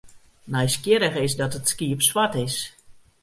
Nijsgjirrich is dat it skiep swart is.